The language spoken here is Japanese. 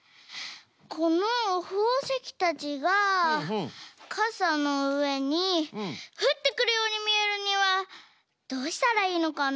このほうせきたちがかさのうえにふってくるようにみえるにはどうしたらいいのかな？